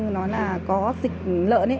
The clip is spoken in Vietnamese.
nói là có dịch lợn